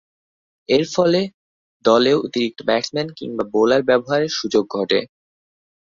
এরফলে, দলে অতিরিক্ত ব্যাটসম্যান কিংবা বোলার ব্যবহারের সুযোগ ঘটে।